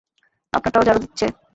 আপনারটাও ঝাড়ু দিচ্ছে।